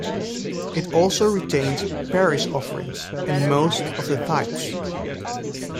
It also retained parish offerings and most of the tithes.